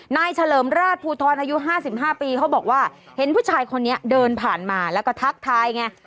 เฉลิมราชภูทรอายุ๕๕ปีเขาบอกว่าเห็นผู้ชายคนนี้เดินผ่านมาแล้วก็ทักทายไง